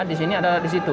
di sini adalah di situ